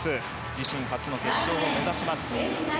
自身初の決勝を目指します。